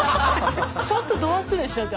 ちょっとど忘れしちゃって。